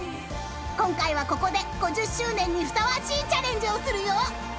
［今回はここで５０周年にふさわしいチャレンジをするよ］